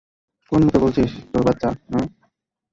কোন মুখে বলছিস, তোর বাচ্চা, হা?